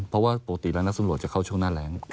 เพราะว่าปกติแล้วนักสำรวจจะเข้าช่วงหน้าแรง